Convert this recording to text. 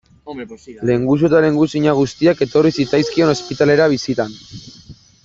Lehengusu eta lehengusina guztiak etorri zitzaizkion ospitalera bisitan.